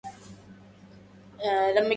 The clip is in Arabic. أمسيت في سبل الهوى متحيرا